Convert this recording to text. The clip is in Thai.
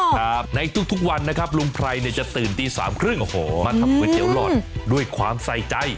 ครับในทุกวันนะครับลุงไพรเนี่ยจะตื่นตีสามครึ่งโอ้โหมาทำก๋วยเตี๋หลอดด้วยความใส่ใจ